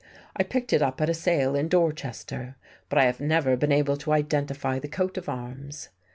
I picked it up at a sale in Dorchester. But I have never been able to identify the coat of arms."